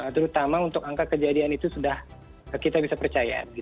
terutama untuk angka kejadian itu sudah kita bisa percaya